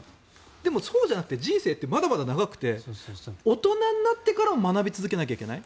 でもそうじゃなくて人生ってまだまだ長くて大人になってから学び続けなきゃいけない。